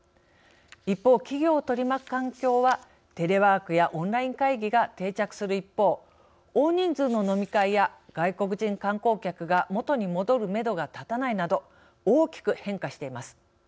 一方、企業を取り巻く環境はテレワークやオンライン会議が定着する一方大人数の飲み会や外国人観光客が元に戻るメドが立たないなど大きく変化しています。